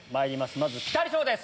まずピタリ賞です！